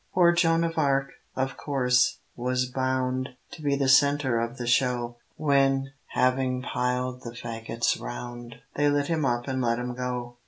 Poor Joan of Arc, of course, was bound To be the centre of the show, When, having piled the faggots round, They lit him up and let him go.